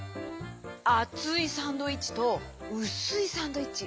あついサンドイッチとうすいサンドイッチ。